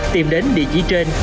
tìm đến địa chỉ trên